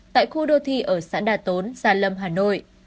tại khu đô thi ở xã đà tốn già lâm hà nội